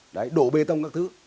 đấy đổ bê tông các thứ